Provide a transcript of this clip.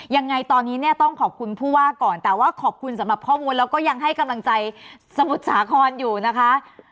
ยังไงตอนนี้เนี่ยต้องขอบคุณผู้ว่าก่อนแต่ว่าขอบคุณสำหรับข้อมูลแล้วก็ยังให้กำลังใจสมุทรสาครอยู่นะคะ